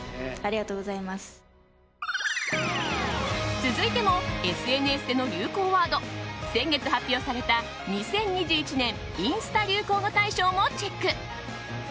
続いてもＳＮＳでの流行ワード先月発表された２０２１年インスタ流行語大賞もチェック。